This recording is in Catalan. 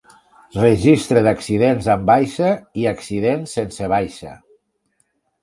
Registre d'accidents amb baixa i accidents sense baixa.